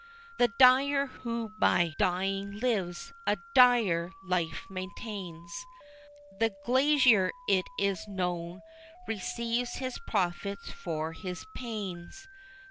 The dyer, who by dying lives, a dire life maintains; The glazier, it is known, receives his profits for his panes.